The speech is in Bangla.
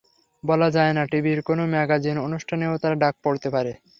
বলা যায় না, টিভির কোনো ম্যাগাজিন অনুষ্ঠানেও তাঁর ডাক পড়তে পারে।